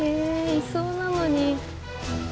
いそうなのに。